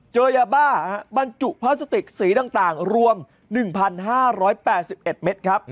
เจอยาบ้าบรรจุพลาสติกสีต่างรวม๑๕๘๑เมตรครับ